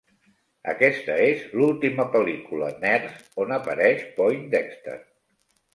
Aquesta és l"última pel·lícula "Nerds" on apareix Poindexter.